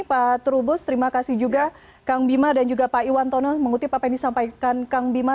pak trubus terima kasih juga kang bima dan juga pak iwan tono mengutip apa yang disampaikan kang bima